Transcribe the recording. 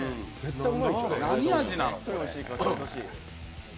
何味なの？